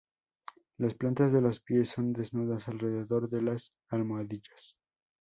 Las plantas de los pies son desnudas alrededor de las almohadillas.